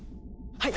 はい！